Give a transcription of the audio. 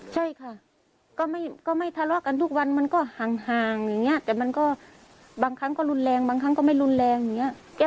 ใช่ค่ะก็ไม่ทะเลาะกันทุกวันมันก็ห่างอย่างนี้แต่มันก็บางครั้งก็รุนแรงบางครั้งก็ไม่รุนแรงอย่างนี้